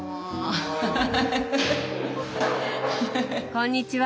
こんにちは。